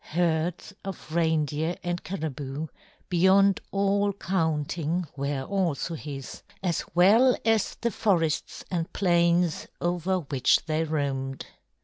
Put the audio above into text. Herds of reindeer and caribou beyond all counting were also his, as well as the forests and plains over which they roamed.